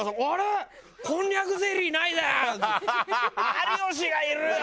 「有吉がいるよ！」。